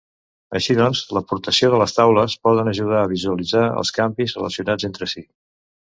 Així doncs, l'aportació de les taules poden ajudar a visualitzar els canvis relacionats entre si.